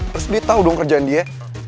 harus dia tau dong kerjaan dia